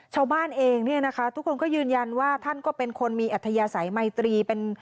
ชาวบ้านเองทุกคนก็ยืนยันว่าท่านก็เป็นคนมีแอธยาศัยมัยตรี